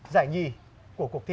giải nhì của cuộc thi